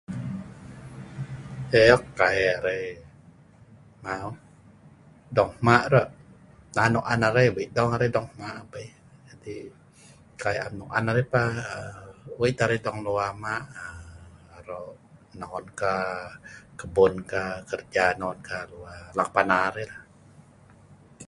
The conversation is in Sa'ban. lek eek kai arai mau.. dong hma ru' nan nok an arai, wei dong arai hma abei, abei kai am nok an arai pa, aa wei tah arai dong luwal ma' aro' nok on ka, kebun ka, kerja non ka, aro' anok pana arai la